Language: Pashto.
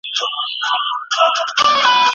د نبي علیه السلام په زمانه کي یوه پېښه وشوه.